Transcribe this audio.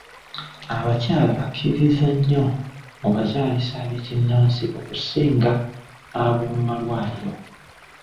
Abakyala bakkiririza nnyo mu bazaalisa ab'ekinnansi okusinga ab'o mu malwaliro.